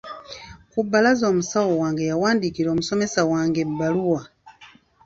Ku bbalaza omusawo wange yawandiikira omusomesa wange ebbaluwa.